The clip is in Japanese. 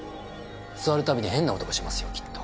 座るたびに変な音がしますよきっと。